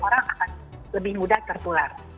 orang akan lebih mudah tertular